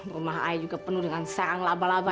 rumah i juga penuh dengan serang laba laba